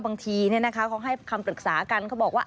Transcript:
บางทีเขาให้คำปรึกษากันเขาบอกว่า